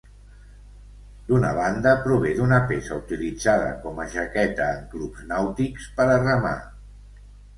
D'una banda prové d'una peça utilitzada com a jaqueta en clubs nàutics, per a remar.